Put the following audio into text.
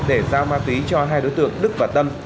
để giao ma túy cho hai đối tượng đức và tâm